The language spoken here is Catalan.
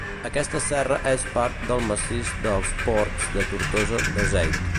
Aquesta serra és part del massís dels Ports de Tortosa-Beseit.